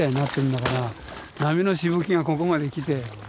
波のしぶきがここまで来て。